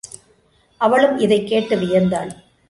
அவளும் இதைக் கேட்டு வியந்தாள்.